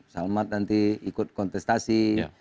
selamat nanti ikut kontestasi